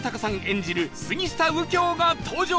演じる杉下右京が登場